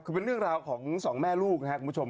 คือเป็นเรื่องราวของสองแม่ลูกนะครับคุณผู้ชม